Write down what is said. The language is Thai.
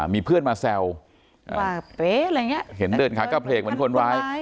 มีเพื่อนมาแซวเห็นเดินขาดกล้าเพลกเหมือนคนร้าย